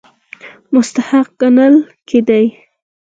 مستحق ګڼل کېدی.